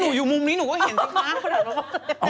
ก็หนูอยู่มุมนี้หนูก็เห็นซักครั้ง